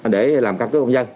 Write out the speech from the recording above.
để làm căn cứ công dân